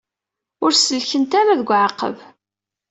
Ur sellkent ara seg uɛaqeb.